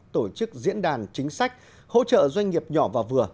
tổ chức diễn đàn chính sách hỗ trợ doanh nghiệp nhỏ và vừa